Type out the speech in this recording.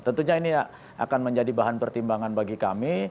tentunya ini akan menjadi bahan pertimbangan bagi kami